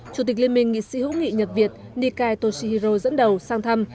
chủ tịch liên minh nghị sĩ hữu nghị nhật việt nikai toshihiro dẫn đầu sang thăm